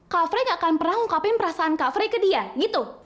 kak fre gak akan pernah ngungkapin perasaan kak fre ke dia gitu